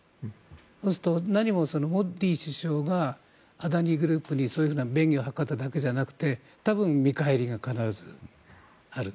そうすると何もモディ首相がアダニ・グループにそういう便宜を図っただけじゃなくて多分、見返りが必ずある。